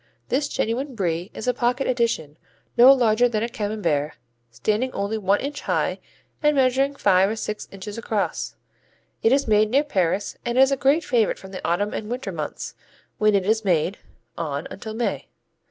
This genuine Brie is a pocket edition, no larger than a Camembert, standing only one inch high and measuring five or six inches across. It is made near Paris and is a great favorite from the autumn and winter months, when it is made, on until May.